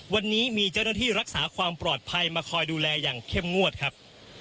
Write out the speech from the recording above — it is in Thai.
วันนี้มีเจ้าหน้าที่รักษาความปลอดภัยมาคอยดูแลอย่างเข้มงวดครับ